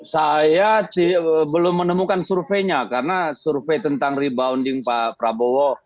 saya belum menemukan surveinya karena survei tentang rebounding pak prabowo